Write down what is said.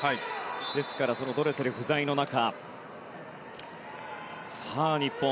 ですから、ドレセル不在の中さあ、日本。